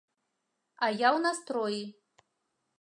А я ў настроі!